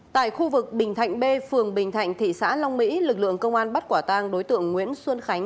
tại khu vực bình thạnh b phường bình thạnh thị xã long mỹ lực lượng công an bắt quả tang đối tượng nguyễn xuân khánh